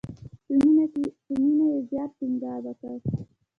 په مینه یې زیات ټینګار وکړ.